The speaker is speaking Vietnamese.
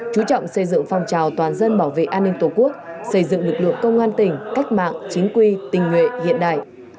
chú trọng xây dựng phong trào toàn dân bảo vệ an ninh tổ quốc xây dựng lực lượng công an tỉnh cách mạng chính quy tình nguyện hiện đại